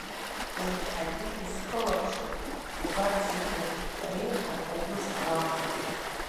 Еиҳагьы изхылаԥшу убарҭ зегьы реиҳа угәы зкуа роуп.